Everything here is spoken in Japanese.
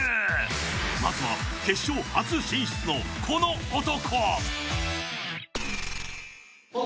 まずは決勝初進出のこの男。